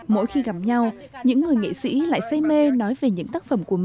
mỗi khi gặp nhau những người nghệ sĩ lại say mê nói về những tác phẩm của mình